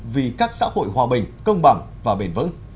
vì các xã hội hòa bình công bằng và bền vững